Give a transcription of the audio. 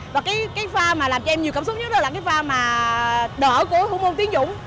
và cái pha mà làm cho em nhiều cảm xúc nhất đó là cái va mà đỡ của thủ môn tiến dũng